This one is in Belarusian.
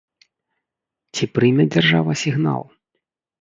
Ці прыме дзяржава сігнал?